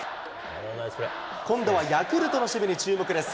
今度はヤクルトの守備に注目です。